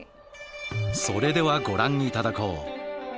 それではご覧頂こう。